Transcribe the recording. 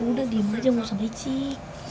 udah diem aja gausah bercik